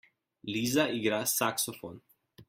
Liza igra saksofon.